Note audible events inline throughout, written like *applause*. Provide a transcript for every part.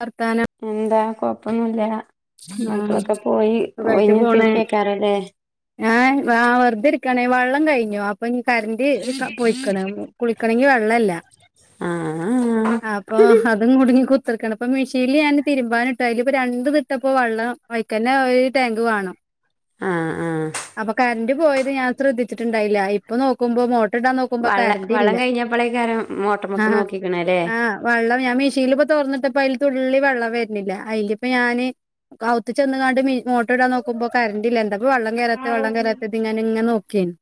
വർത്താനം. എന്താ കൊപ്പൊന്നുല്ല ആഹ് മക്കളൊക്കെ പോയി ഒഴിഞ് കുതിരികയിക്കാരം ലെ. ഞാ ആ വെറ്തെര്കാണെ വള്ളം കഴിഞ്ഞു അ ഇപ്പൊഞ്ഞ് കരന്റ് പൊയിക്ക്ണ് കുളിക്കണങ്കി വെള്ളല്ല. ആഹ് അപ്പൊ അതും കുടുങ്ങി കുത്തിർകാ ണം അപ്പം മെഷീൽ ഞാൻ തിരുമ്പാനിട്ടു അതിലിപ്പോ രണ്ട് ഇട്ടപ്പോ വെള്ളം ആയിക്കന്നെ ഒരു ടാങ്ക് വാണം. ആഹ് ആഹ് അപ്പ കറന്റ് പോയത് ഞാൻ ശ്രദ്ധിച്ചിട്ട്ണ്ടായില്ല. അ പ്പം നോക്കുമ്പോ മോട്ടർ ഇടാ നോക്കുമ്പം വള്ള കരന്റ് വള്ളം ഇല്ല കഴിഞ്ഞപ്പോളേക്കാരം മോട്ടർമക്ക് ആഹാ നോക്കിക്കണല്ലേ ആ വെള്ളം ഞാ മിഷീനിൽ ഇപ്പോ തുറന്നിട്ടപ്പോ അതിൽ തുള്ളി വെള്ളം വരുന്നില്ല അതിലിപ്പൊ ഞാന് ഔത്ത് ചെന്ന്കാണ്ട് മി മോട്ടർ ഇടാൻ നോക്കുമ്പോ കറണ്ടില്ല ന്താപ്പോ വെള്ളം കേറാതെ വെള്ളം കേറാതെ ങ്ങനെ ഇങ്ങനെ നോക്കിയേന്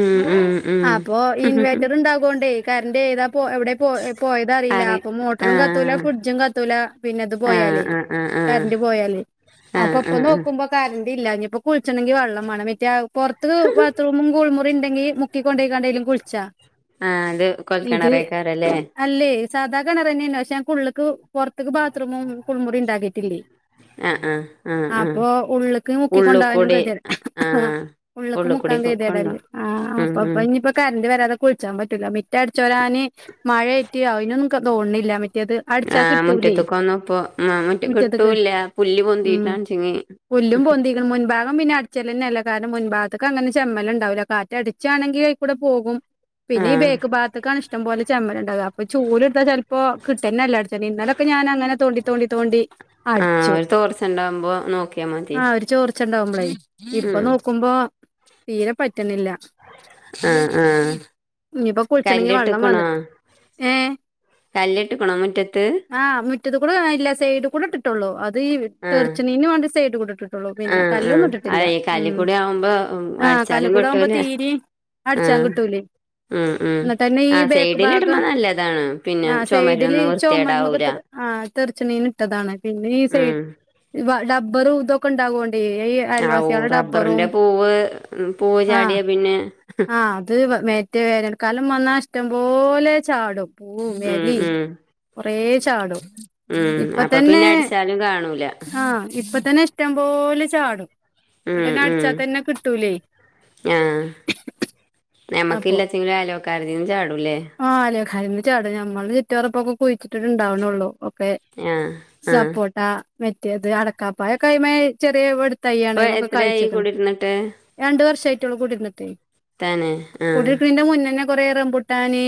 ഉം ഉം ഉം അപ്പൊ ഇൻവേർട്ടർ ഉണ്ടാകോണ്ടേ കറന്റ് ഏതാപ്പോ എവിടെപ്പോ പോ പോയത റീല്ല അറി അപ്പൊ മോട്ടറും കത്തൂല ആഹ് ഫ്രിഡ്ജും കത്തൂല പിന്നെത് പോയാല് ആ ആഹ് ണ്ടി പോയാന്ന് അപ്പ ആഹ് ആഹ് പ്പൊ ആഹ് ആഹ് നോക്കുമ്പം കാരന്റ് ഇല്ല ഇന്പ്പോ കുളിച്ചണെങ്കി വെള്ളം മാണം മറ്റേ പുറത്ത് ബാത്റൂമും കുളിമുറി ണ്ടെങ്കി മു മുക്കി കൊണ്ടെയികടേങ്കിലും കുളിച്ചാ അത് ഇത് കൊൽക്കിണറേക്കാരല്ലേ അല്ലേ സാധാ കിണർ ന്നെയാണ് പക്ഷെ ഞങ്ങൾക്ക് ഉള്ള്ക്ക് പൊറത്ത്ക്ക് ബാത്റൂമും കുളിമുറി ണ്ടാക്കിയിട്ടില്ലേ. ആഹ് ആഹ്. ആഹ് ആഹ് അപ്പൊ ഉള്ള്ക്ക് മുക്കി കൊണ്ടാവാനും ഉള്ളുക്കൂടി കതി ആഹ് ഉള്ള്ക്ക് ഉള്ളുക്കൂടി മുക്കാൻ കൊണ്ടോ കേതിയെടല്ലേ ആ ഉം അപ്പൊ ഉം പ്പോ ഞ്ഞ് പ്പം കറന്റ് വരാതെ കുളിച്ചാൻ പറ്റൂല്ല മിറ്റം അടിച്ച് വാരാന് മയായിട്ട് അയിനൊന്നും ക്കാ തോണ്ല്ല. ആ മുറ്റത്ത് കൊന്നും ഇപ്പോ *unintelligible* മുറ്റത്ത്ക്ക് കിട്ടൂല്ല. പുല്ല് ഉം പൊന്തിടാണ് ച്ചങ്ങി പുല്ലും പൊന്തിക്ക്ണ് മുൻഭാഗം പിന്നെ അടിച്ചലന്നെല്ല കാരണം മുൻഭാഗത്ത് ക്ക്അങ്ങനെ ചമ്മൽ ണ്ടാവൂല്ല കാറ്റ് അടിച്ചാണെങ്കി ആയികൂടെ പോകും. പിന്നെ ഈ ആഹ് ബേക്ക് ഭാകത്ത്ക്കാണ് ഇഷ്ടം പോലെ ചമ്മല് ണ്ടാ കാ അപ്പൊ ചൂല് ട്താ ചെൽപ്പോ കിട്ടന്നെല്ല ട്ച്ചാൻ ഇന്നലെ ഒക്കെ ഞാൻ അങ്ങനെ തോണ്ടി തോണ്ടി തോണ്ടി. ആഹ് അടിച്ചു ഒരു തോർച്ച ഉണ്ടാവുമ്പോ നോക്കിയാ മതി ആ ഒരു ചോർച്ച ഉണ്ടാവുമ്പളെ ഇപ്പൊ ഉം നോക്കുമ്പോ. തീരെ പറ്റണില്ല. ആഹ് ആഹ് ഇനിയിപ്പോ കുളിച്ചണെങ്കി വെള്ളം കല്ലിട്ക്കണോ. വന്നിട്ട് ഏഹ് കല്ല്ട്ട്ക്ക്ണോ മുറ്റത്ത്. ആ മുറ്റത് കൂടെ ഇല്ല. സൈഡ് കൂടെ ഇട്ട്ട്ടൊള്ളൂ അത് ഈ മ - ആഹ് തെർച്ച്ണീന് വാണ്ടി സൈഡ് കൂടിട്ട്ട്ടുള്ളൂ പിന്നെ ആഹ് ആഹ് കല്ലൊന്നും ഇട്ട്ട്ടില്ല അതെ കല്ല് ഉം കൂടി ആവുമ്പോ ആ കല്ല് അടിച്ചാലും കൂടാകുമ്പോ കൊട്ടൂല തീരീം അടിച്ചാമ് ആഹ് കിട്ടൂലേ. ഉം ഉം ഇന്ന്ട്ടെന്നെ ഈ ആഹ് ബേക്ക് സൈഡിൽ ഇടണ ഭാഗം നല്ലതാണ് പിന്നെ ആ സൈഡില് ചുമരൊന്നും വൃത്തികേടാവൂല ചൊമര്മ്മക്കെത്ത്- ആഹ് തെറിച്ച്ണീന് ഇട്ടതാണ്. പിന്നെ ഈ ഉം സൈഡ് ഡബറും ഇതൊക്കെ ഇണ്ടാവോണ്ടേയ് ഏ. - ആവൂ റബ്ബറിന്റെ പൂവ് ഇമ് പൂവ് ചാടിയാ പിന്നെ- ആഹ അത് വ മറ്റേ വേനൽകാലം വന്നാ ഇഷ്ടംപോലെ ചാടും. പൂവും, ഉം എലീം ഉം കൊറേ ചാടും. ഇപ്പ തന്നെ ച്ചാലും കാണൂലാ ആഹ് ഇപ്പ തന്നെ ഇഷ്ടം പോലെ ചാടും. ഉം എന്നിട്ടന്നെ ഉം അടിച്ചാൽ തന്നെ കിട്ടൂലേ. ആഹ് നമ്മക്ക് അപ്പൊ ഇല്ലാച്ചെങ്കിലും അയലോക്കാരതീന്നും ചാടൂല്ലേ? ആഹ് അയലോക്കാരീന്ന ചാടാ. ഞമ്മളത് ചുറ്റോറോം ഇപ്പൊ കുഴിച്ചിട്ട്ട്ട് ഇണ്ടാക്ണൊള്ളു. ഒക്കെ- ആഹ് ആഹ് സപ്പോട്ട മെറ്റേത് അടക്കാപ്പയൊക്കെ അയിമ്മേ ചെറിയേ ഇപ്പൊ തയ്യാണയിമ്മെ ഒക്കെ എത്രയായി കായിച്ച്ക്ക്ണ്. കുടിരുന്നിട്ട് രണ്ടു വർശായിട്ടൊള്ളു കുടിര്ന്ന്ട്ട്. തന്നെ ആഹ് കുടിര്ക്ക്ണീന്റെ മുന്നന്നെ കൊറെ റംബൂട്ടാന്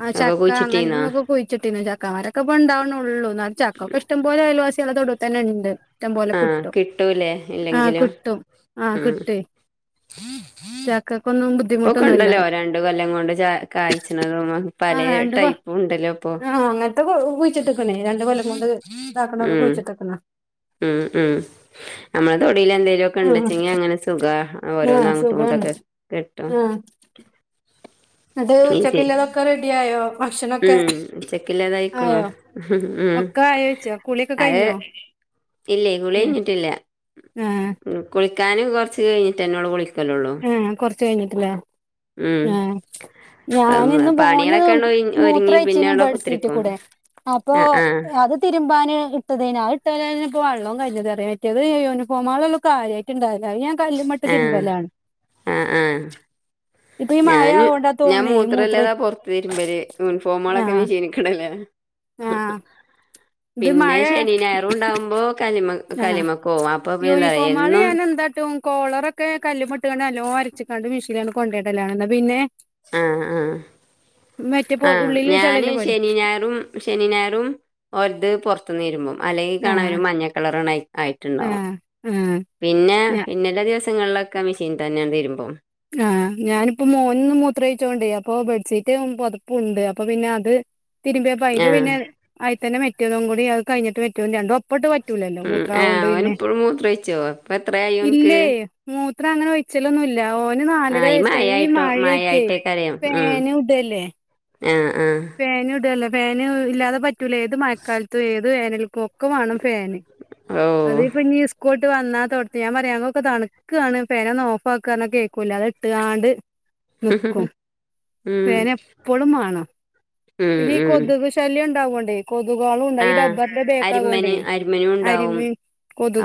ആ ഒക്കെ ചക്ക അങ്ങൻതൊ കുഴിച്ചിട്ടീന്നോ കുഴിച്ച്ട്ടീന്ന് ചക്കാമരൊക്കെ ഇപ്പൊ ഇണ്ടാവ്ണോള്ളൂ. ഇന്നാലും ചക്കപ്പൊ ഇഷ്ടംപോല അയൽവാസ്യാളെ തൊടൂത്തന്നെണ്ട്. ഇട്ടം പോലെ ആഹ് കിട്ടും. കിട്ടൂലേ ആഹ ഇല്ലെങ്കിലും കിട്ടും. ആഹ് കിട്ടൊയ്. ബുദ്ധിമുട്ടൊന്നുല്ല ഇപ്പൊക്കണ്ടല്ലോ രണ്ട് കൊല്ലം കൊണ്ട് ചാ കായ്ച്ച്ണതും പലേ ടൈപ്പും ഇണ്ട് ല്ലേ ഇപ്പൊ ത് കുഴിച്ചിട്ട്‌ക്ക്ണ് രണ്ടു കൊല്ലം കൊണ്ട് ഇതാക്ക്ണ് ഒക്കെ ഉം കുഴിച്ച്ട്ട്ക്ക്ണ്. ഉം ഉം നമ്മളെ തൊടീല് എന്തേലും ഒക്കെ ഉം ഇണ്ട്ച്ചെങ്കി അങ്ങനെ സുഖാ ആ ഓരോന്നും അങ്ങോട്ടും സുഖാണ് ഇങ്ങോട്ടൊക്കെ കിട്ടും. ന്ന്ട്ട് ഈ സീ ഉച്ചക്ക്ല്ലതൊക്കെ റെഡിആയോ? ഉം ഉച്ചക്കില്ലതയിക്ക്ണ്. ഉം ഉം ഒക്കെ ആയോച്ചോ കുളിയൊക്കെ കഴിഞ്ഞോ അത്- ഇല്ലേ, കുളി കഴിഞ്ഞിട്ടില്ല. ആഹ് ഉം. കുളിക്കാനും കൊറച്ച് കഴിഞ്ഞിട്ടെന്നൊള്ളു കുളി ആ കൊറച്ച് കഴിഞ്ഞ്ട്ട്ലേ ഉം ആഹ് ഞാനിന്ന് മോന് പണികളൊക്കെണ്ട് ഒരുങ്ങി പിന്നെ മൂത്രൊഴിച്ചീന്നു അവിടെ കുത്തിരിക്കും ബെഡ്സീറ്റ്ക്കൂടെ. അപ്പൊ, ആഹ് ആഹ് അത് തിരുമ്പാന് ഇട്ടതീനാ അത് ഇട്ടതന്നെപ്പോ വള്ളോം കഴിഞ്ഞത്റയാ, മറ്റത് യൂണിഫോമുകളൊള്ളൂ കാര്യായിട്ട് ഇണ്ടാലാ, അത് ഞാൻ- കല്ല്മ്മട്ട് ആഹ് തിരുബേലാണ്. ആഹ് ആഹ് ഇപ്പൊ ഈ മഴ ഞാന് ആവോണ്ടാ ഞാൻ തോന്നണേ ഈ മൂത്രം മൂത്രല്ലതാ പൊറത്ത് തിരുമ്പല് യൂണിഫോമുകളൊക്കെ ആ മിഷീനിയ്ക്ക്ടലേ ഹ് ഹ് ആഹ് ആ ഇത് പിന്നെ മഴ ശനീം ഞായറും ഉണ്ടാവുമ്പോ കല്ലിമക് ആഹ് കല്ലിമ്മക്കോവാം അപ്പൊ പിന്നെ എന്താറിയോ യൂണിഫോമാള് എന്നും ഞാൻ എന്താട്ടും കോളറൊക്കെ കല്ല്മ്മട്ട്ങ്ങനെ നല്ലോം ഒരച്ച്ക്കാണ്ട് മിഷീന്ലങ്ങട്ട് കൊണ്ടോയിടലാണ് ഇന്നാ പിന്നെ ആ ആഹ് മറ്റേ പൊ ആമ് ഉള്ളില് ചെളില്ല ഞാന് പോലെ ശനീം, ഞായറും ശനീം ഞായറും ഓരത് പൊറത്ത് ന്ന് തിരുമ്പും. അല്ലെങ്കി കാണ ഒരു ആഹ് മഞ്ഞ കളറണ് ആയി ആയിട്ട്ണ്ടാവും. ഉം പിന്നെ പിന്നല്ലെ ദിവസങ്ങളിലൊക്കെ മെഷീന് തന്നെ ഞാൻ തിരുമ്പും. ആഹ് ഞാനിപ്പോ മോനിന്ന് മൂത്രൊഴിച്ചോണ്ടേയ് അപ്പൊ ബെഡ്ഷീറ്റ് പുതപ്പുണ്ട് അപ്പൊ പിന്നെ അത് തിരുമ്പിയപ്പ അയിൻ്റെ ആഹ് പിന്നെ അയിത്തേൻ്റെ മറ്റെതും കൂടി അത് കഴിഞ്ഞ്ട്ട് മറ്റതും രണ്ടും ഒപ്പട്ട് - റ്റൂലല്ലോ ഉം. ആ മൂത്രാവോണ്ട് പിന്നെ, ഓനിപ്പഴും മൂത്രൊഴിച്ചോ? ഇപ്പ എത്രയായി ഓൻക്ക്? ഇല്ലേ മൂത്രം അങ്ങനെ ഒഴിച്ചലൊന്നും ഇല്ല. ഓന് ആ നാലര വയസായി. ഈ മഴയായിട്ടോ മഴയിത്തേ മഴയായിട്ടേക്കാരം. ഉം. ഫേനും ഇടല്ലേ? ആ ആഹ് ഫാനു ഇടല്ലെ. ഫാാന് ഇല്ലാതെ പറ്റൂല ഏത് മഴക്കാലത്തും ഏത് വേനൽക്കും ഒക്കെ വേണം ഫാന്. ഓ അത് ഇപ്പൊ ഇനി ഇസ്ക്കൂളിട്ട് വന്നാ തൊട്ത്തി ഞാ പറയാന്നോക്ക തണുക്കാണ് ഫെനൊന്നു ഓഫാക്കു പറഞ്ഞാ കേക്കൂല്ല അത് ത്തുകാണ്ട് ഹ് ഹ് ഹ് മ് ഫാന് എപ്പളും മാണം പിന്നെ ഈ കൊതുക് ശല്യം ഉണ്ടാവോണ്ടേ കൊതുകാളും ഉണ്ട ആ. ഈ ഡബറിന്റെ ബേക്കായ കൊണ്ടെ അരിമ്മന് അരിമ്മനും ഉണ്ടാവും. അരിമീൻ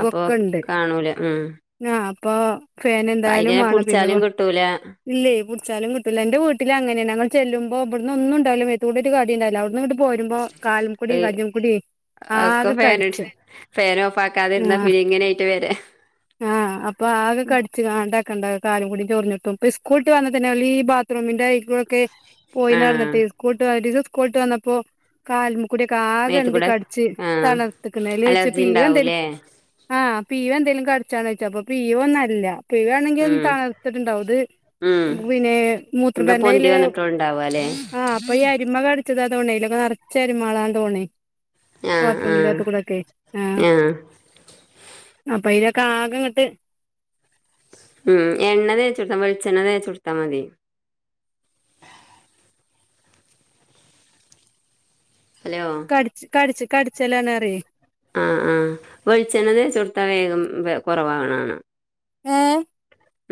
അപ്പൊ കാണൂല. ഉം. ആ അപ്പൊ ഫേൻ എന്തായാലും അയിനെ വേണം പിന്നെ പുടിച്ചാലും കിട്ടൂല. ഇല്ലേ കുടിച്ചാലും കിട്ടില്ല എന്റെ വീട്ടിൽ അങ്ങനെയാണ് ഞങ്ങ ചെല്ലുമ്പോ ഇവിടുന്ന് ഒന്നുണ്ടാവില്ല *unintelligible* കടിയുണ്ടായില്ല അവിടുന്ന്- പോരുമ്പോ കാലുമു കൂടി കഞ്ഞും കൂടി ആ ക്കെ ഫാൻ ഇഡ് ഫാൻ ഓഫ് ആക്കാതിരുന്നാ പിന്ന ഇങ്ങനൊയിട്ട് വരാ അ അപ്പൊ ആകെ കടിച്ചു കണ്ടാക്കണ്ട കാലും കൂടി ചോറിഞ്ഞപ്പോ ഇപ്പൊ സ്ക്കൂൾട്ട് വന്നത്തന്നെ അവരീ ത്ത്റൂമിന്റെ അയ്ക്കൂടൊക്കെ പോയി ആ. നടന്നട്ടേ സ്കൂട്ട് വന്നിട്ട് ഇത് സ്കൂട്ട് വന്നപ്പോ കാൽ- കുടിയക്ക ആകയങ്ങ്ട് മേത്ത്ക്കൂടെ കടിച്ച് ആ. തണർത്ത്ക്കണ് ലോയിച്ച് അലർജി പീവെന്തേലും ഇണ്ടാവൂല്ലേ? ആ പീവെന്തെലും കടിച്ചോന്നോയിച്ച് അപ്പൊ പിവെന്നു അല്ല പിയോവണെങ്കിൽ ഒന്ന് ഉം. താണ്ത്തിട്ടുണ്ടാവും ഇത് ഉം. മൂ പിന്നെ മൂത്ര എന്താ പൊന്തി പെന്തയില്ലേ വന്നിട്ടുണ്ടാവാ ല്ലേ? ആ- പ്പ ഈ അരിമ കടിച്ചതാ തതോണേലോ നർച്ച അരിമകളാ തോണേ ആ ആ. ബാത്ത്റൂമില്ലാത്ത കൂടക്കെ ആഹ് അപ്പൊ ഇയൊക്കെ ആകെ ങ്ങട്ട് ഉം എണ്ണ തെച്ചുടുത്താം വെളിച്ചെണ്ണ തെച്ചുടുത്താൽ മതി. ഹലോ! ഈച്ച കടിച്ച് കടിച്ചലണ അറിയേ ആ ആഹ് വെളിച്ചെണ്ണ തേച്ചുടുത്ത വേഗം കുറവകണാകണാ ഏ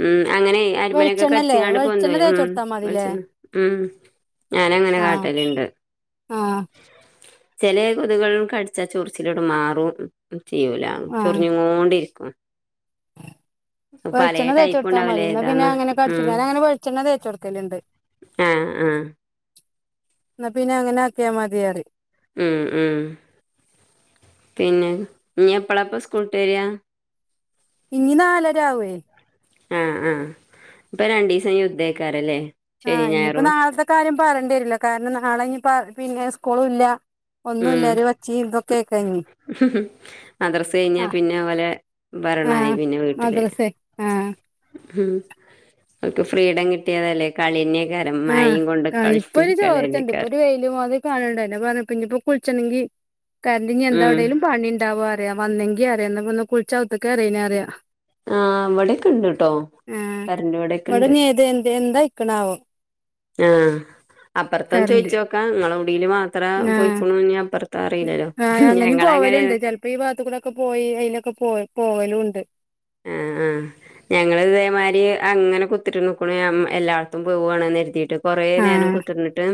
ഉം അങ്ങനെ അരമനയൊക്കെ കടിച്ചങ്ങാണ്ട് പോന്തും വെളിച്ചെണ്ണ വരും തേച്ച് മ് കൊടുത്താ മതില്ലേ വെളിച്ചെണ്ണ മ് ഞാന അങ്ങനെ ആഹ് കാട്ടലുണ്ട് ആഹ് ചെലേ കൊതുകൾ കടിച്ചാ ചൊറിച്ചിലൊട്ട് മാറും ചെയ്യൂല ആഹ് ചൊറിഞ്ഞുങ്ങോണ്ടിരിക്കും. *unintelligible* തേച്ചു കൊടുത്താൽ മതി ഉണ്ടാവൂലേ ന്നാ പിന്നെ ഏതാന്ന് അങ്ങനെ കടിച്ച ഉം *unintelligible* വെളിച്ചെണ്ണ തേച്ചുകൊടുക്കലുണ്ട്. ആഹ് ആഹ് എന്ന പിന്നെ അങ്ങനെയാക്കിയ മതിയാറ് ഉം ഉം പിന്നെ ഇനി എപ്പളപ്പ സ്കൂളട്ട് വരിയാ? ഇനി നാലരആവുവേ. ആഹ് ആഹ് ഇപ്പൊ രണ്ടീസം *unintelligible* ക്കാറല്ലേ ആഹ് ഇനിയിപ്പോ നാളത്തെ കാര്യം പറയേണ്ടി വരില്ല, കാരണം നാളെ ഇനിപ്പ പിന്നെ സ്കൂളൂല്ല ഒന്നുല്ലാരെ *unintelligible* ഇതൊക്കെ ആയികയിഞ്ഞു. ഹും ഹും മദ്രസ കയിഞ്ഞാൽ പിന്നെ ഓലെ ഭരണമായി ആഹ് പിന്നെ വീട്ടില് മദ്രസേ ആഹ് ഉം ഓക്ക് ഫ്രീഡം കിട്ടിയതല്ലേ കളീ *unintelligible* മായയും കൊണ്ട് *unintelligible* നിക്കാറ്. വെയിലും *unintelligible* ആ കാണണ്ടെ പറഞ്ഞന്നയിപ്പോ കുളിച്ചണെങ്കി കറണ്ടിനി എന്താ ഉം എവിടെേലും പണി ഉണ്ടാവാ അറിയാം വന്നെങ്കി അറിയാം *unintelligible* അറിയാം ആഹ് ഇവിടെക്കെണ്ട്ട്ടോ ആഹ് കരണ്ട് ഇവിടെ ഇവിടെക്കെണ്ട് ഇനി ഏത് എന്ത് എന്താ ഇക്കണാവോ ആഹ് അപ്പുറത്തന്ന് കറന്റ് ചോയിച്ചു നോക്കാം നിങ്ങള ഉടീല് മാത്ര ആഹ് പോയിക്കണുന്ന് ഇനി അപ്പറത്ത- അത് അറീല്ലല്ലോ, ഞങ്ങള് അങ്ങനെയാണ് ഇപ്പൊ ഈ ഭാഗത്തൂടെക്ക പോയി അയിലൊക്കെ പോ പോകലും ഉണ്ട് ആഹ് ആഹ് ഞങ്ങള് ഇതേമാരി അങ്ങനെ കുത്തിട്ട് നോക്കണ എല്ലായിടത്തും പോവാണ്ന്ന് കരുതിയിട്ട് കൊറേ നേരം ആഹ് കുത്തിർന്നിട്ട്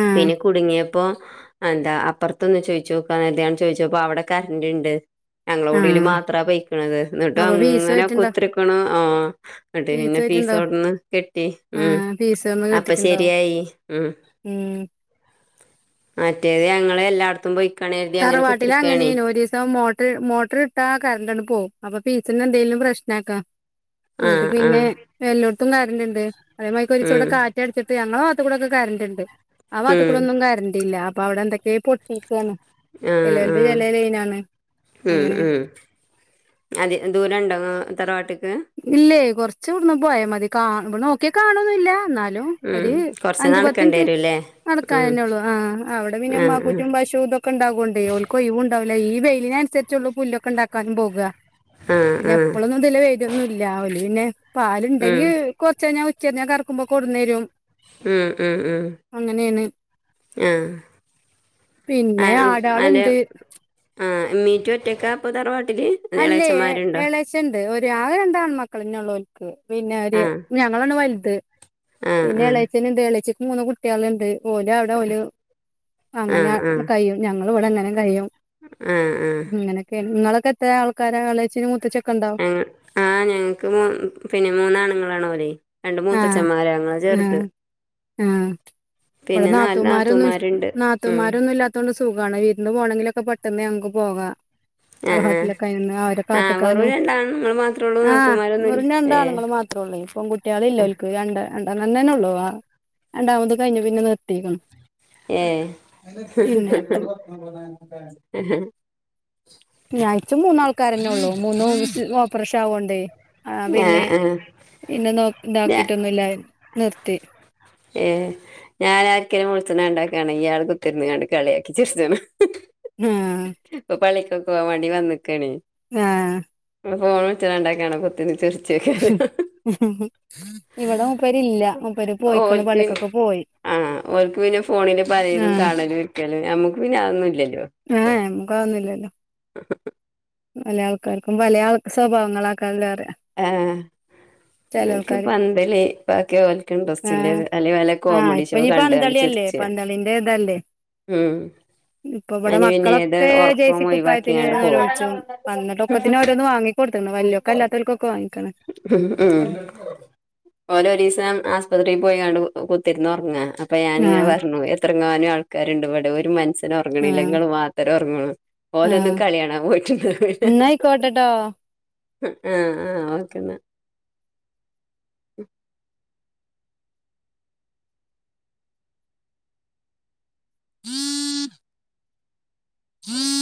ആഹ് പിന്നെ കുടുങ്ങിയ- പ്പൊ എന്താ അപ്പുറത്തൊന്ന് ചോദിച്ചുനോക്കാന്ന് കരുതി ചോദിച്ചപ്പോ അവിടെ കറണ്ട്ണ്ട് ഞങ്ങള കുടില് ആഹ് മാത്രാ പൊയ്ക്കണത് എന്നിട്ട് അപ്പൊ ഫീസ് അങ്ങനെ പോയിട്ടുണ്ടാവും ഒത്തിരിക്കണ് ആഹ് ന്നിട്ട് ഫീസ് പിന്നെ പോയിട്ടുണ്ടാവും പീസോടന്ന് കെട്ടി ഉം ആഹ് ഫീസ് ഒന്ന് അപ്പൊ കെട്ടിട്ടുണ്ടാവും ശരിയായി ഉം ഉം മറ്റേത് ഞങ്ങള് എല്ലായിടത്തും പോയി തറവാട്ടില് അങ്ങനേനു ഒരീസം മൊ- ട്ട് മോട്ടർ ഇട്ടാ കറണ്ടങ്ങ് പോവും അപ്പൊ ഫീസിനെന്തേലും പ്രശ്നാക്കാ- ആ എന്നിട്ട് ആ പിന്നെ എല്ലോടത്തും കറണ്ടുണ്ട് അതേമാരിക്ക് ഒരീസംടെ ഉം കാറ്റ് അടിച്ചിട്ട്- ഞങ്ങളെ വാത്തക്കൂടൊക്കെ കറണ്ട്ണ്ട്. ആ ഉം വാത്തക്കൂടൊന്നും കറണ്ടില്ല അപ്പൊ അവിടെ എന്തൊക്കേ പൊട്ടിക്കയാണ് ആഹ് ആഹ് ഉം അങ്ങനെ ഉം അത് എന്തൂരം ഉണ്ടാവും തറവാട്ടക്ക്? ഇല്ലേ കൊറച്ചൂട്ന്ന് പോയൽ മതി കാണ് നോക്കിയാ കാണൊന്നില്ല, എന്നാലും ഉം ഒരു കൊറച്ച് അഞ്ചു നടക്കേണ്ടി പത്തിനിറ്റ് വരും അല്ലേ നടക്കാൻ ഉം തന്നെ ഉള്ളൂ, ആഹ് അവിടെ പിന്നെ ആ *unintelligible* പശു- *unintelligible* ഓൾക്ക് ഒയിവ് ഉണ്ടാവില്ല, ഈ വെയിലിനനുരിച്ചുള്ള പുല്ലൊക്കെ ഉണ്ടാക്കാനും പോകുക ആ പിന്നെ ആ ആ എപ്പളൊന്നും ഇതിലെ വെരൊന്നുംല്ല ഓല് പിന്നെ ഉം പാലുണ്ടെങ്കി- കൊറച്ചഴിഞ്ഞാ ഉച്ചഞ്ഞാ കറക്കുമ്പോ കൊണ്ടുന്നേരും ഉം ഉം ഉം ആഹ് പിന്നെ ആഹ് അല്ല ആടാളുണ്ട് ആഹ് *unintelligible* ഒറ്റക്കാ അപ്പോ തറവാട്ടില്? അല്ലേ എളേച്ചന്മാരുണ്ടോ? എള- ച്ചൊണ്ട്, ഒര് ആകെ രണ്ടാൺമക്കളന്നെ ഉള്ളൂ ഓൽക്ക്, പിന്നെ ഒര്, ആഹ് ഞങ്ങളാണ് വലുത് ആഹ് പിന്നെ ആഹ് എളേച്ചനുണ്ട്, ഇളേച്ചക്ക് മൂന്ന് കുട്ടികളുണ്ട്. ഓല് അവിടെ ഓല് അങ്ങനെ ആഹ് കഴിയും, ഞങ്ങളിവിട ഇങ്ങനെ കഴിയും. ആഹ് ആഹ് അങ്ങനൊക്കെണ്. നിങ്ങളൊക്കെ എത്ര ആൾക്കാരാ, എളേച്ചനും മൂത്തച്ചിയൊക്കെ ഉണ്ടോ? ങ് ആഹ് ഞങ്ങക്ക് പിന്നെ മൂന്നാണുങ്ങളാണ് ഓര് രണ്ട് മൂത്തച്ചന്മാര്, അങ്ങള ചെറുത്. ആഹ ഇവിടെ പിന്നെ നാല് നാത്തൂമാരൊന്നും നാത്തൂമാരുണ്ട് ഉം നാത്തൂമാരൊന്നുമല്ല *unintelligible* സുഖമാണ് വീടിന് പോണമെങ്കിലൊക്കെ പെട്ടെന്ന് ഞങ്ങൾക്ക് പോകാം ആ ആഹ് ആഹ് ഹോട്ടിലൊക്കെയി നിന്ന് അവരെ ആഹ് വെറും കാത്തക്കാനും രണ്ടാണുങ്ങൾ മാത്രേ ഉള്ളൂ ആ നാത്തൂമാരൊന്നുല്ല മുറിഞ്ഞ ഏഹ് എന്താണങ്ങ മാ *unintelligible* ഇപ്പം കുട്ടികള ല്ലക്ക് രണ്ട രണ്ട് തന്നെ ഉള്ളൂ ആ രണ്ടാമത് കഴിഞ്ഞഞ് പിന്നെ നിർത്തിക്കണം ഏ *unintelligible* *unintelligible* മൂന്നാൾക്കാരന്നെ ഉള്ളൂ മൂന്ന് ഓപ്പറേഷൻ ആവോണ്ടേ ആ പിന്നെ ആഹ് പിന്നെോ *unintelligible* ഇതാക്കിട്ടൊന്നുമില്ല നിർത്തി ഏ ഞാൻ ആരിക്കലും *unintelligible* ഉണ്ടാക്കണെങ്കയാൾ കുത്തിരുന്ന് കണ്ട് കളിയാക്കി ചിരിാണ് ആഹ് ആഹ് *unintelligible* *unintelligible* *unintelligible* ഇവിടെ മുപ്പരി ഇല്ല മുപ്പേര് പോയിക്കണ് ഓൽക്ക് പള്ളിക്കൊക്കെ പോയി ആഹ് ഓൽക്ക് പിന്നെ ഫോണില് പഴയത് ആഹ് കാണലും വിക്കലും നമ്മുക്ക് പിന്നെ അതൊന്നും ഇില്ലല്ലോ ഏ *unintelligible* *unintelligible* പല ആൾക്കാർക്കും പല ആൾ സ്വഭാവങ്ങളൾ ആക്കാല്ലേറെ *unintelligible* എനിക്ക് പന്തലി ബാക്കിയഓലക്ക് ഇൻട്രസ്റ്റ് ഇല്ലേ അല്ലെ വല കോമഡി അപ്പൊ ഷോ കണ്ടാണ്ട് പന്തളില്ലേ ചിർച്ച. പന്തളിന്റെ ഇതല്ലേ ഉം ഇപ്പ ഇവിടെ അയിന് പിന്നെ ഏത് മക്കളൊക്കെ ജെയ്സി ഒറക്കം കുപ്പായത്തിന് ഒഴിവാക്കിയാണ്ട് നല്ലോ പോവും. *unintelligible* പന്നട്ടൊക്കത്തിന് ഓരോന്ന് വാങ്ങിക്ക കൊടുക്ക വല്ിയൊക്കെ അല്ലാത്തർക്കൊക്കെ വാങ്ങിക്കണു ഉം ഉം ഓരോ ദിവസം ആസുപത്രിയിൽ പോയിണ്ട് കുത്തിന്ന് ഉറങ്ങ അപ്പൊ ഞാനിങ്ങനെ ആഹ് പറഞ്ഞു എത്രങ്ങാനം ആൾക്കാരുണ്ട് ഇവിടെ ഒരു മ *unintelligible* ഉറങ്ങണില്ല ആഹ് നിങ്ങള് മാത്രമേ ഉറങ്ങോള്ളൂ ഓലെൊന്നും ആഹ് കളിയണാ പോയിട്ടു എട *unintelligible* ഓക്കെ എന്നാ *unintelligible* *unintelligible*